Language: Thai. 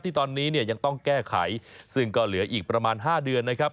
ตอนนี้เนี่ยยังต้องแก้ไขซึ่งก็เหลืออีกประมาณ๕เดือนนะครับ